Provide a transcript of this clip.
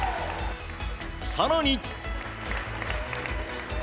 更に。